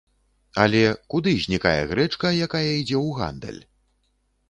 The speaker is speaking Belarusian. Але, куды знікае грэчка, якая ідзе ў гандаль?